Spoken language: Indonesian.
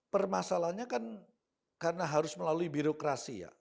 permasalahannya kan karena harus melalui birokrasi ya